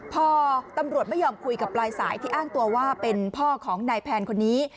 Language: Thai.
พอตำรวจไม่ยอมคุยกับปลายสายที่อ้างตัวว่าเป็นพ่อของนายแพนคนนี้